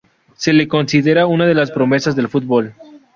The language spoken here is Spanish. Se le considera una de las promesas del fútbol.